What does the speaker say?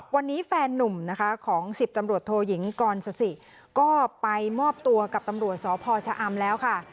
วันนี้แฟนนุ่มนะคะของ๑๐ตำรวจโทยิงกรสสิก็ไปมอบตัวกับตำรวจสพชะอำแล้วค่ะ